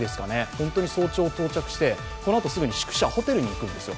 本当に早朝到着してこのあとすぐにホテルに行くんですよ。